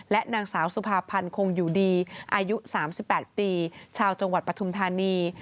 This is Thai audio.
นางสาวสุภาพันธ์คงอยู่ดีอายุ๓๘ปีชาวจังหวัดปฐุมธานี